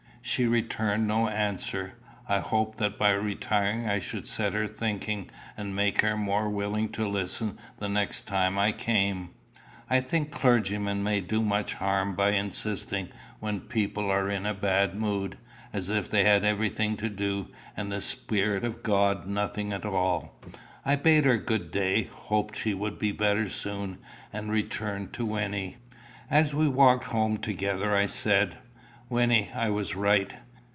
She returned no answer. I hoped that by retiring I should set her thinking, and make her more willing to listen the next time I came. I think clergymen may do much harm by insisting when people are in a bad mood, as if they had everything to do, and the Spirit of God nothing at all. I bade her good day, hoped she would be better soon, and returned to Wynnie. As we walked home together, I said: "Wynnie, I was right.